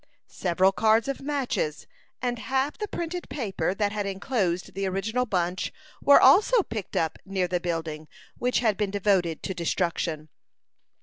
Several cards of matches, and half the printed paper that had enclosed the original bunch, were also picked up near the building which had been devoted to destruction.